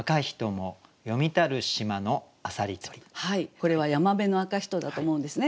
これは山部赤人だと思うんですね。